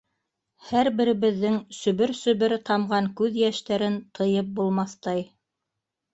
Һәр беребеҙҙән сөбөр-сөбөр тамған күҙ йәштәрен тыйып булмаҫтай.